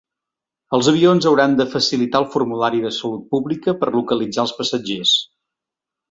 Els avions hauran de facilitar el formulari de salut pública per localitzar els passatgers.